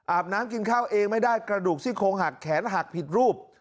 น้ำกินข้าวเองไม่ได้กระดูกซี่โครงหักแขนหักผิดรูป